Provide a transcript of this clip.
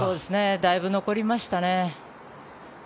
だいぶ残りましたね。